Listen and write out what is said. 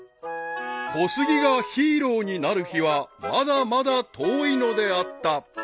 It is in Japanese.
［小杉がヒーローになる日はまだまだ遠いのであった］